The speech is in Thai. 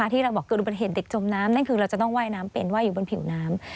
ที่เราบอกเกิดอุบัติเหตุเด็กจมน้ำนั่นคือเราจะต้องว่ายน้ำเป็นว่าอยู่บนผิวน้ำ